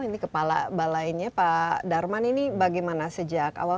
ini kepala balainya pak darman ini bagaimana sejak awal